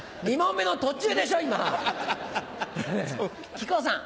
木久扇さん。